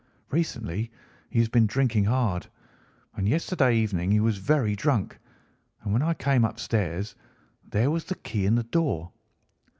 Recently he has been drinking hard, and yesterday evening he was very drunk; and when I came upstairs there was the key in the door.